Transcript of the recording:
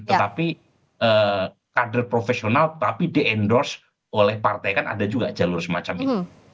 tetapi kader profesional tapi di endorse oleh partai kan ada juga jalur semacam itu